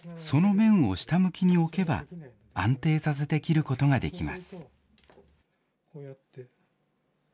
その面を下向きに置けば、安定させて切ることができます。